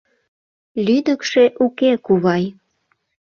— Лӱдыкшӧ уке, кувай.